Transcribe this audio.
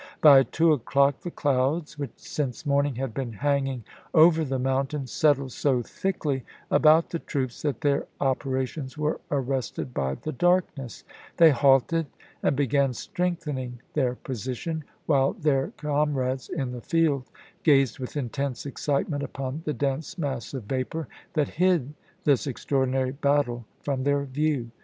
By two o'clock the clouds, which since morning had been hanging over the mountain, settled so thickly about the troops that their opera tions were arrested by the darkness; they halted and began strengthening their position, while their com rades in the field gazed with intense excitement upon the dense mass of vapor that hid this extraordi nary battle from their view.